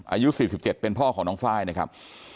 อายุ๔๗เป็นพ่อของน้องไฟล์นะครับ